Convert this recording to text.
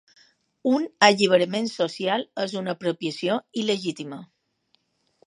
Un alliberament social és una apropiació il·legítima.